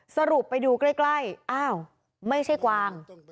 สรุปไปดูใกล้อ้าวไม่ใช่กวาง